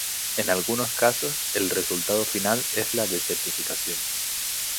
En algunos casos, el resultado final es la desertificación.